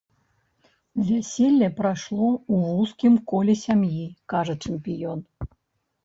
Вяселле прайшло ў вузкім коле сям'і, кажа чэмпіён.